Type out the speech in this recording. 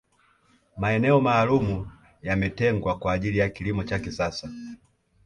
maeneo maalum yametengwa kwa ajili ya kilimo cha kisasa